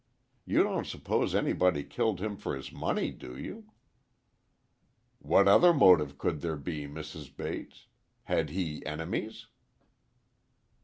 You don't suppose anybody killed him for his money, do you?" "What other motive could there be, Mrs. Bates? Had he enemies?"